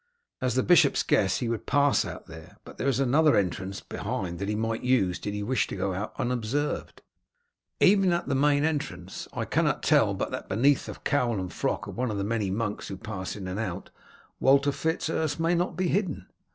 As the bishop's guest he would pass out there, but there is another entrance behind that he might use did he wish to go out unobserved. Even at the main entrance I cannot tell but that, beneath the cowl and frock of one of the many monks who pass in and out, Walter Fitz Urse may not be hidden.